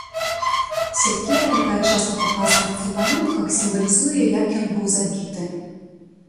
Сякера, якая часта паказваецца ў малюнках сімвалізуе, як ён быў забіты.